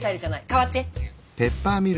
代わって。